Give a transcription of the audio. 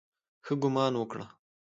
ښه ګومان وکړه.